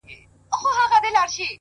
پاڅه چي ځو ترې ـ ه ياره ـ